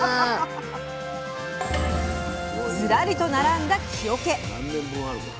ズラリと並んだ木おけ。